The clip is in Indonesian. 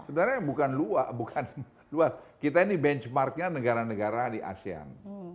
sebenarnya bukan luas bukan luas kita ini benchmarknya negara negara di asean